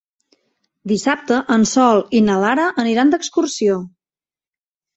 Dissabte en Sol i na Lara aniran d'excursió.